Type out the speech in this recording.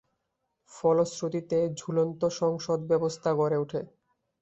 ফলশ্রুতিতে ঝুলন্ত সংসদ ব্যবস্থা গড়ে ওঠে।